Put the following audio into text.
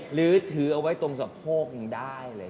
หรือถือเอาไว้ตรงสะโพกยังได้เลย